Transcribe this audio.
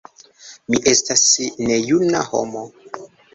Mi estas nejuna homo.